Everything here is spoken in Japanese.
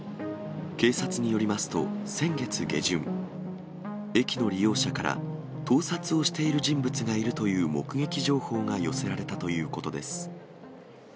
警察によりますと、先月下旬、駅の利用者から、盗撮をしている人物がいるという目撃情報が寄せられたということです。